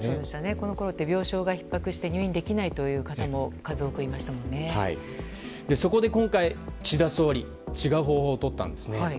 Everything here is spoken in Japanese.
このころって病床がひっ迫して入院できない方もそこで今回、岸田総理は違う方法をとったんです。